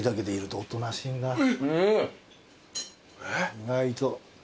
意外と。